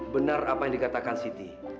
benar apa yang dikatakan siti